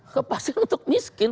kepastian untuk miskin